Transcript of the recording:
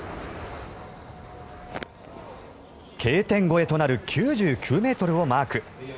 Ｋ点越えとなる９９ｍをマーク。